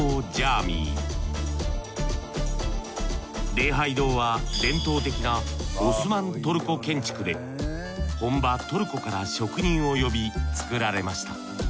礼拝堂は伝統的なオスマントルコ建築で本場トルコから職人を呼び造られましたきれい。